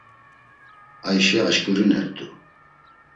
Ayşe aşǩurinert̆u.